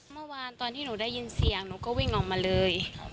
เมื่อวานตอนที่หนูได้ยินเสียงหนูก็วิ่งออกมาเลย